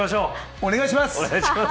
お願いします。